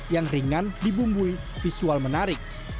yang ringan dibumbui visual menarik